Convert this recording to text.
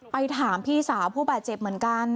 ไปถามพี่สาวผู้บาดเจ็บเหมือนกัน